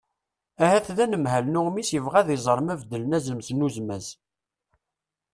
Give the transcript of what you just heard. ahat d anemhal n uɣmis yebɣa ad iẓer ma beddlen azemz n uzmaz